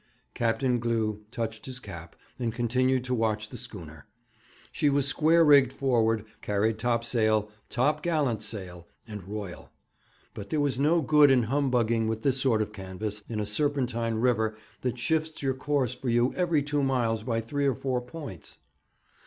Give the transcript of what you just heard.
Captain Glew touched his cap, and continued to watch the schooner. She was square rigged forward, carried topsail, top gallant sail, and royal; but there was no good in humbugging with this sort of canvas in a serpentine river that shifts your course for you every two miles by three or four points.